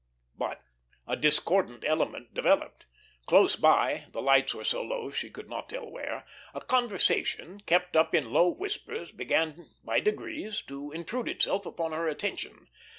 But a discordant element developed. Close by the lights were so low she could not tell where a conversation, kept up in low whispers, began by degrees to intrude itself upon her attention.